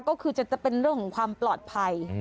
ก็คือจะเป็นเรื่องของความปลอดภัย